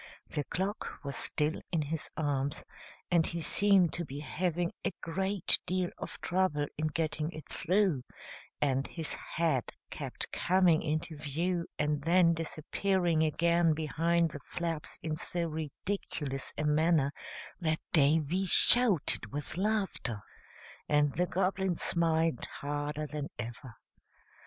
The clock was still in his arms, and he seemed to be having a great deal of trouble in getting it through, and his head kept coming into view and then disappearing again behind the flaps in so ridiculous a manner that Davy shouted with laughter, and the Goblin smiled harder than ever.